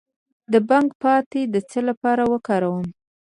د بنګ پاڼې د څه لپاره وکاروم؟